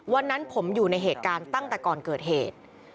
วันนั้นผมอยู่ในเหตุการณ์ตั้งแต่ก่อนเกิดเหตุ